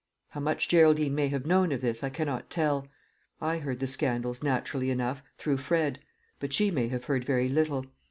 How much Geraldine may have known of this, I cannot tell. I heard the scandals, naturally enough, through Fred; but she may have heard very little.